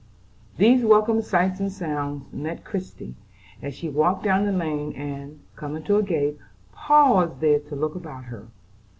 These welcome sights and sounds met Christie, as she walked down the lane, and, coming to a gate, paused there to look about her.